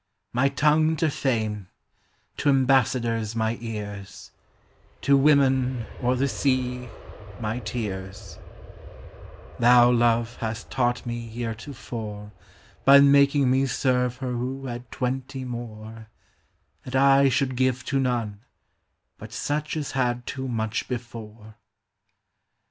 My tongue to Fame, to embassadors my ears ; To women, or the sea, my tears ; Thou, Love, hast taught me heretofore By making me serve her who had twenty more, That I should give to none, but such as had too much before.